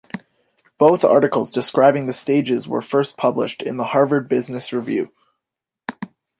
Both articles describing the stages were first published in the "Harvard Business Review".